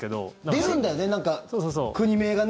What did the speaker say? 出るんだよね国名がね。